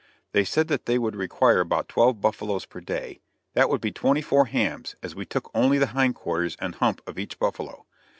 They said that they would require about twelve buffaloes per day; that would be twenty four hams, as we took only the hind quarters and hump of each buffalo.